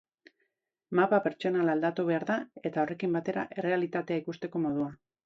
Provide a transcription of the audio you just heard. Mapa pertsonala aldatu behar da, eta horrekin batera errealitatea ikusteko modua.